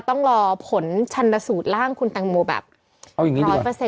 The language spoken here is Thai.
ต้องรอผลชันสูตรร่างคุณแตงโมแบบเอาอย่างนี้ร้อยเปอร์เซ็